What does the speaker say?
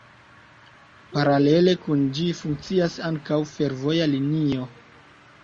Paralele kun ĝi funkcias ankaŭ fervoja linio.